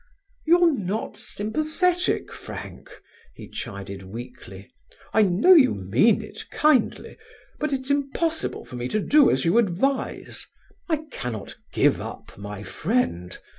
"You're not sympathetic, Frank," he chided weakly. "I know you mean it kindly, but it's impossible for me to do as you advise. I cannot give up my friend.